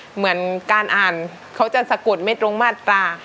เหมือนการอ่านเขาจะสะกดไม่ตรงมาตรา